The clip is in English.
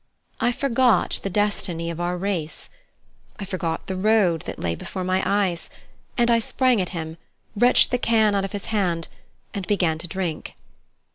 I forgot the destiny of our race. I forgot the road that lay before my eyes, and I sprang at him, wrenched the can out of his hand, and began to drink.